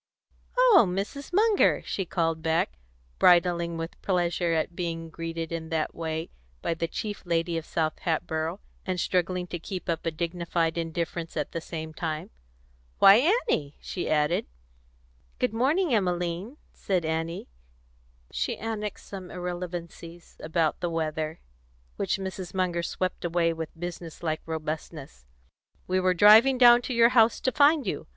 "Oh, Mrs. Munger!" she called back, bridling with pleasure at being greeted in that way by the chief lady of South Hatboro', and struggling to keep up a dignified indifference at the same time. "Why, Annie!" she added. "Good morning, Emmeline," said Annie; she annexed some irrelevancies about the weather, which Mrs. Munger swept away with business like robustness. "We were driving down to your house to find you.